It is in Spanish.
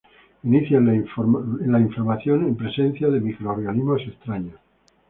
Inician la inflamación en presencia de microorganismos extraños.